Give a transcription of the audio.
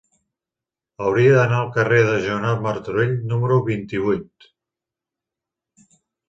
Hauria d'anar al carrer de Joanot Martorell número vint-i-vuit.